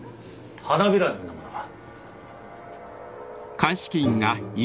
花びらのようなものが。